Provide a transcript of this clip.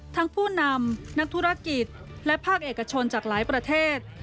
ผู้นำนักธุรกิจและภาคเอกชนจากหลายประเทศ